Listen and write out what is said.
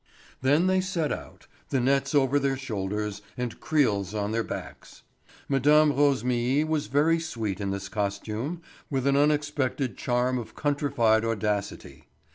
Then they set out, the nets over their shoulders and creels on their backs. Mme. Rosémilly was very sweet in this costume, with an unexpected charm of countrified audacity.